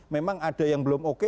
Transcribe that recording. memang ada yang belum oke